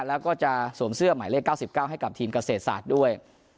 แล้วก็จะสวมเสื้อหมายเลข๙๙ให้กับทีมเกษตรศาสตร์ด้วย